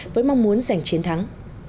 với mong muốn giành chiến thắng